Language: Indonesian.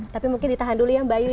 tapi mungkin ditahan dulu ya mbak ayu